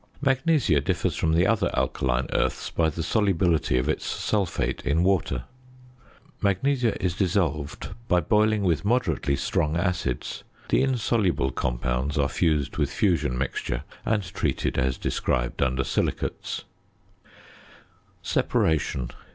Magnesia differs from the other alkaline earths by the solubility of its sulphate in water. Magnesia is dissolved by boiling with moderately strong acids; the insoluble compounds are fused with "fusion mixture," and treated as described under Silicates. ~Separation.